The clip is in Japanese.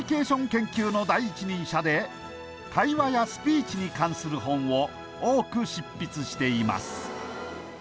研究の第一人者で会話やスピーチに関する本を多く執筆しています